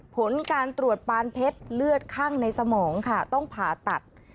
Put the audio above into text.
ผลการตรวจปานเพชรเลือดคั่งในสมองค่ะต้องผ่าตัด